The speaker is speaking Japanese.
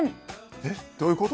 えっどういうこと？